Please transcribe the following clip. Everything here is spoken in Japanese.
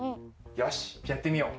よしやってみよう。